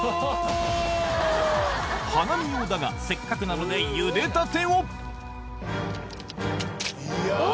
花見用だがせっかくなのでゆでたてをおぉ！